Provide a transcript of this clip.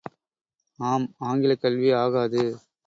ஆம் ஆங்கிலக் கல்வி ஆகாது.